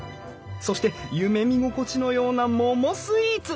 そして夢見心地のような桃スイーツ！